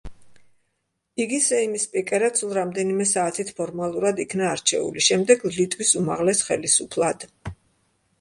იგი სეიმის სპიკერად სულ რამდენიმე საათით ფორმალურად იქნა არჩეული, შემდეგ ლიტვის უმაღლეს ხელისუფლად.